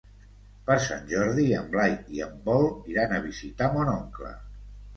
Per Sant Jordi en Blai i en Pol iran a visitar mon oncle.